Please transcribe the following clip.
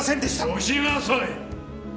よしなさい！